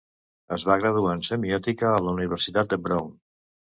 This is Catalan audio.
Es va graduar en Semiòtica a la Universitat de Brown.